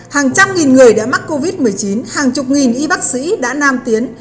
hàng trăm nghìn người đã mắc covid một mươi chín hàng chục nghìn y bác sĩ đã nam tiến